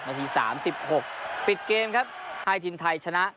นาที๓๖ปิดเกมครับให้ทีมไทยชนะ